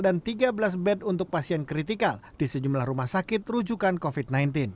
dan tiga belas bed untuk pasien kritikal di sejumlah rumah sakit rujukan covid sembilan belas